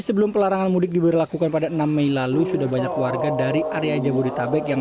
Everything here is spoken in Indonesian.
sebelum pelarangan mudik diberlakukan pada enam mei lalu sudah banyak warga dari area jabodetabek yang